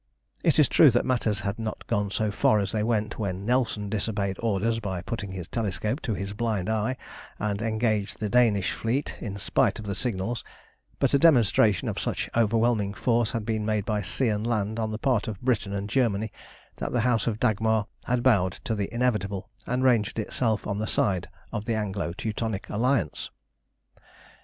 It is true that matters had not gone so far as they went when Nelson disobeyed orders by putting his telescope to his blind eye, and engaged the Danish fleet in spite of the signals; but a demonstration of such overwhelming force had been made by sea and land on the part of Britain and Germany, that the House of Dagmar had bowed to the inevitable, and ranged itself on the side of the Anglo Teutonic Alliance.